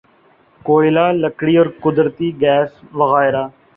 کوئلہ لکڑی اور قدرتی گیس وغیرہ